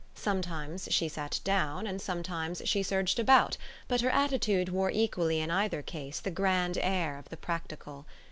Sometimes she sat down and sometimes she surged about, but her attitude wore equally in either case the grand air of the practical.